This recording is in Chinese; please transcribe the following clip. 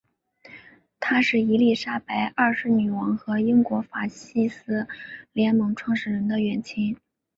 他是伊丽莎白二世女王和英国法西斯联盟创始人的远亲。